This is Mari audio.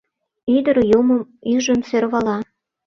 Ӱдыр Юмым ӱжын сӧрвала: